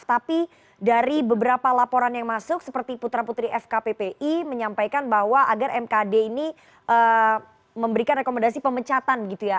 tapi dari beberapa laporan yang masuk seperti putra putri fkppi menyampaikan bahwa agar mkd ini memberikan rekomendasi pemecatan gitu ya